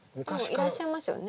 でもいらっしゃいますよね